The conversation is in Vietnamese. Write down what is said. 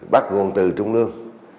bắt nguồn từ trung lương